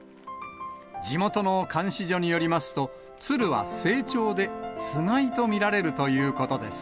地元の監視所によりますと、ツルは成鳥で、つがいと見られるということです。